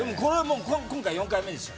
今回４回目でしょ。